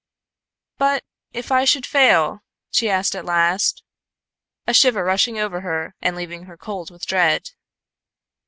"But if I should fail?" she asked, at last, a shiver rushing over her and leaving her cold with dread.